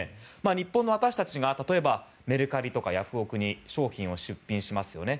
日本の私たちが例えばメルカリとかヤフオク！に商品を出品しますよね。